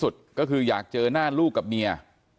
สุดก็คืออยากเจอหน้าลูกกับเมีย